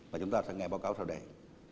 mà chúng ta sẽ nghe báo cáo sau đây